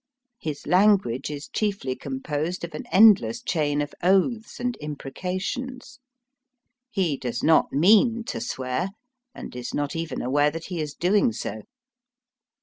His language is chiefly composed of an endless chain of oaths and imprecations. He does not mean to swear, and is not even aware that he is doing so.